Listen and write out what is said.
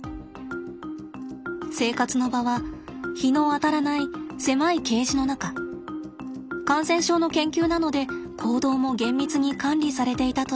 生活の場は日の当たらない狭いケージの中感染症の研究なので行動も厳密に管理されていたといいます。